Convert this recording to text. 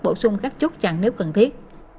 bổ sung các chốt chặn nếu cần thiết